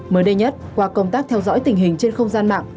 mới đây nhất qua công tác theo dõi tình hình trên không gian mạng